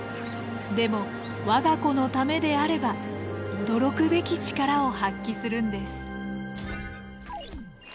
でも我が子のためであれば驚くべき力を発揮するんです。